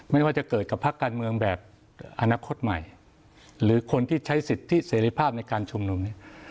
ไม่ว่าจะเกิดกับพักการเมืองแบบอนาคตใหม่หรือคนที่ใช้สิทธิเสรีภาพในการชุมนุมเนี่ย